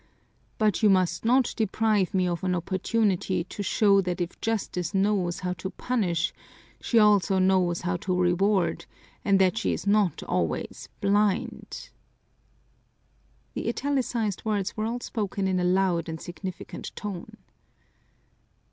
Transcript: But you must not deprive me of an opportunity to show that if Justice knows how to punish she also knows how to reward and that she is not always blind!" The italicized words were all spoken in a loud and significant tone.